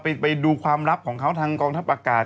ไปดูความลับของเขาทางกองทัพอากาศ